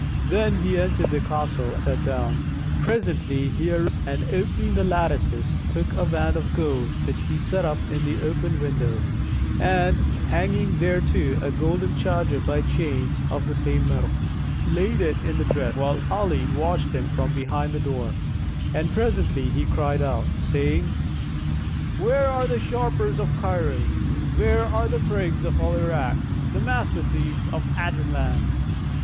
Then he entered the castle and sat down. Presently, he arose and opening the lattices, took a wand of gold, which he set up in the open window and, hanging thereto a golden charger by chains of the same metal, laid in it the dress, whilst Ali watched him from behind the door, and presently he cried out, saying, "Where are the sharpers of Cairo? Where are the prigs of Al Irak, the master thieves of the Ajam land?